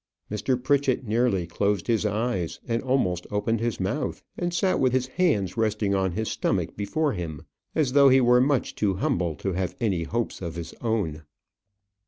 Mr. Pritchett nearly closed his eyes, and almost opened his mouth, and sat with his hands resting on his stomach before him, as though he were much too humble to have any hopes of his own.